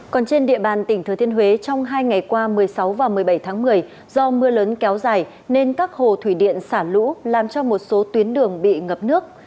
còn trên địa bàn tỉnh thừa thiên huế trong hai ngày qua một mươi sáu và một mươi bảy tháng một mươi do mưa lớn kéo dài nên các hồ thủy điện xả lũ làm cho một số tuyến đường bị ngập nước